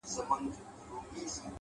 پوهه عمل ته جهت ورکوي!